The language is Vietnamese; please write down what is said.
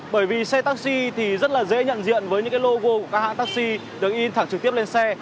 bởi vì xe taxi thì rất là dễ nhận diện với những cái logo của các hãng taxi được in thẳng trực tiếp lên xe